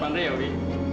benar itu wi